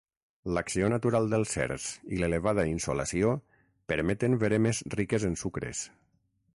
L'acció natural del cerç i l'elevada insolació permeten veremes riques en sucres.